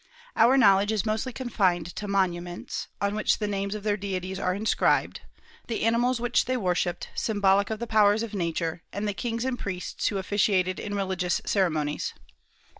Our knowledge is mostly confined to monuments, on which the names of their deities are inscribed, the animals which they worshipped, symbolic of the powers of Nature, and the kings and priests who officiated in religious ceremonies.